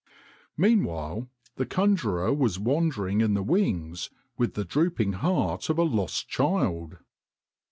Meanwhile the conjurer was wandering in the wings with the drooping heart of a lost child.